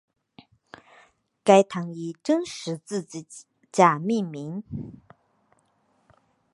该堂以真十字架命名。